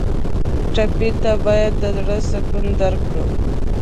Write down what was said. ټپي ته باید د زړه سکون درکړو.